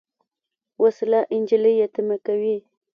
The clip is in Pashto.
وسله نجلۍ یتیمه کوي